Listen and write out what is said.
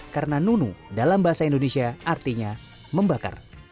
karena nunu dalam bahasa indonesia artinya membakar